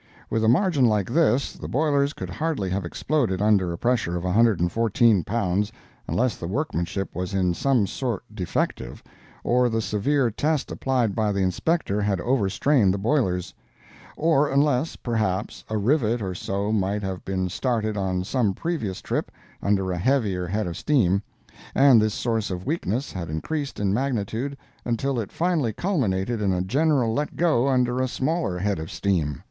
With a margin like this, the boilers could hardly have exploded under a pressure of 114 pounds unless the workmanship was in some sort defective, or the severe test applied by the Inspector had overstrained the boilers; or unless, perhaps, a rivet or so might have been started on some previous trip, under a heavier head of steam, and this source of weakness had increased in magnitude until it finally culminated in a general let go under a smaller head of steam.